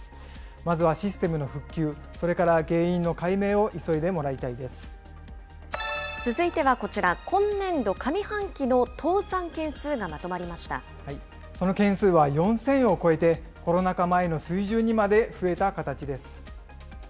まずはシステムの復旧、それから原因の解明を急いでもらいたいで続いてはこちら、今年度上半その件数は４０００を超えて、コロナ禍前の水準にまで増えた形です。